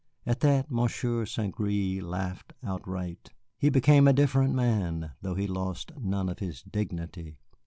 At that Monsieur St. Gré laughed outright. He became a different man, though he lost none of his dignity.